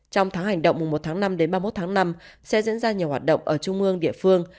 trong tháng hành động mùa một tháng năm đến ba mươi một tháng năm sẽ diễn ra nhiều hoạt động ở trung ương địa phương